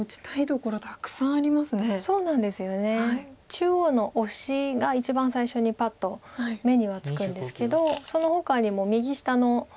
中央のオシが一番最初にパッと目にはつくんですけどそのほかにも右下の。